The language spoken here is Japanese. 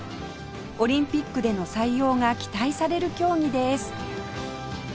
オリンピックでの採用が期待される競技です